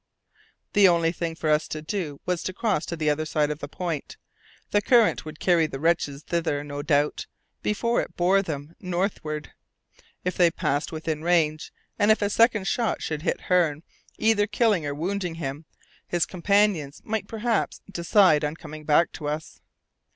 The only thing for us to do was to cross to the other side of the point. The current would carry the wretches thither, no doubt, before it bore them northward. If they passed within range, and if a second shot should hit Hearne, either killing or wounding him, his companions might perhaps decide on coming back to us.